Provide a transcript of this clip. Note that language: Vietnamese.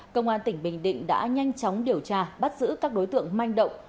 công an tỉnh bình định đã nhanh chóng điều tra bắt giữ các đối tượng manh động